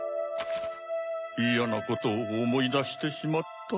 いやなことをおもいだしてしまった。